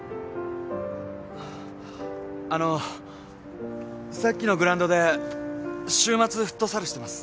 あのうさっきのグラウンドで週末フットサルしてます。